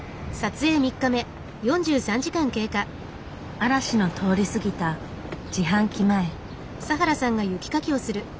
嵐の通り過ぎた自販機前。